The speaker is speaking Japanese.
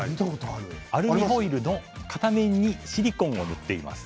アルミホイルの片面にシリコンを塗っています。